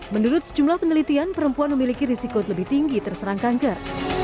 menurut sejumlah penelitian perempuan memiliki risiko lebih tinggi terserang kanker